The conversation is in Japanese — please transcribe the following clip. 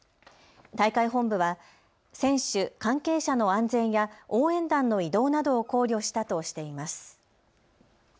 大会本部は選手、関係者の安全や応援団の移動などを考慮したとしています。